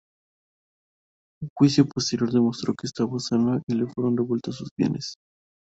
Un juicio posterior demostró que estaba sana y le fueron devueltos sus bienes.